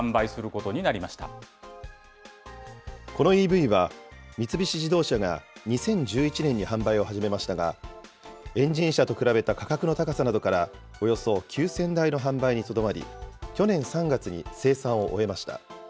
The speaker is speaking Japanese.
このＥＶは、三菱自動車が２０１１年に販売を始めましたが、エンジン車と比べた価格の高さなどから、およそ９０００台の販売にとどまり、去年３月に生産を終えました。